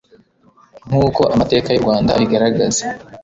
Nk'uko amateka y'u Rwanda abigaragaza,